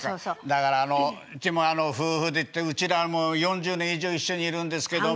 だからあのうちも夫婦でってうちらも４０年以上一緒にいるんですけど。